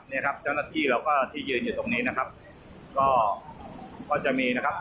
เนี่ยครับเจ้าหน้าที่เราก็ที่ยืนอยู่ตรงนี้นะครับก็ก็จะมีนะครับ